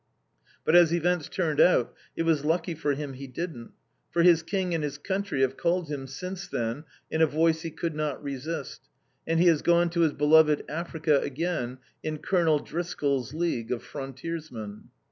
But as events turned out it was lucky for him he didn't! For his King and his Country have called him since then in a voice he could not resist, and he has gone to his beloved Africa again, in Colonel Driscoll's League of Frontiersmen.